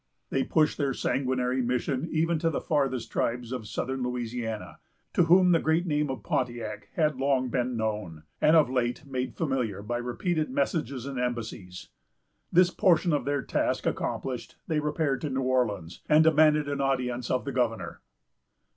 They pushed their sanguinary mission even to the farthest tribes of Southern Louisiana, to whom the great name of Pontiac had long been known, and of late made familiar by repeated messages and embassies. This portion of their task accomplished, they repaired to New Orleans, and demanded an audience of the governor.